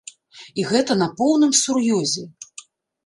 І гэта на поўным сур'ёзе.